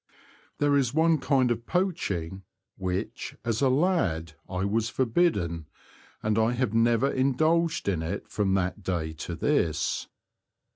There is one kind of poaching, which, as a lad, I was forbidden, and I have never indulged in it from that day to this.